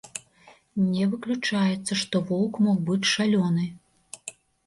Не выключаецца, што воўк мог быць шалёны.